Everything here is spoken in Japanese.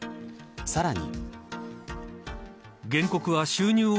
さらに。